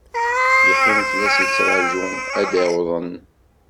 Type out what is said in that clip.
Yeqqim fell-as yettraju ad d-awḍen.